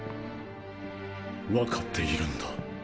分かっているんだ。